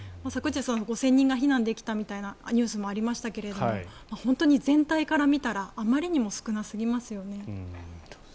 昨日、５０００人が避難できたみたいなニュースもありましたが本当に全体から見たらあまりにも少なすぎますよね。